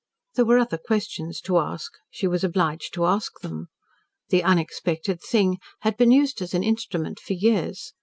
There were other questions to ask. She was obliged to ask them. "The unexpected thing" had been used as an instrument for years.